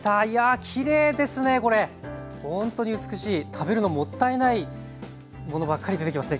食べるのもったいないものばっかり出てきますね